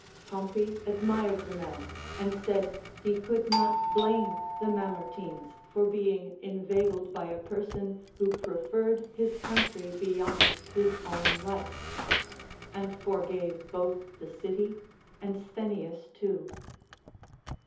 Pompey admired the man, and said, he could not blame the Mamertines for being inveigled by a person who preferred his country beyond his οΛΛ^η life ; and forgave both the city and Sthenius too.